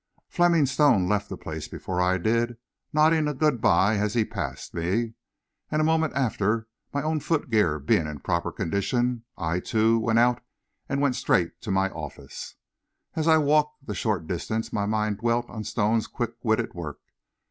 Fleming Stone left the place before I did, nodding a good by as he passed me, and a moment after, my own foot gear being in proper condition, I, too, went out, and went straight to my office. As I walked the short distance, my mind dwelt on Stone's quick witted work.